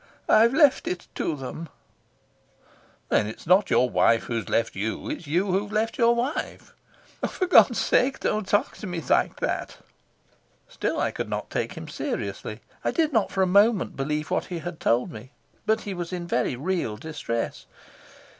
I've left it to them." "Then it's not your wife who's left you; it's you who've left your wife." "For God's sake don't talk to me like that." Still I could not take him seriously. I did not for a moment believe what he had told me. But he was in very real distress.